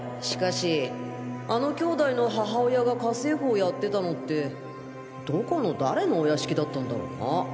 しかしあの兄弟の母親が家政婦をやってたのってどこの誰のお屋敷だったんだろうな？